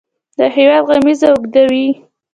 د هیواد غمیزه اوږدوي.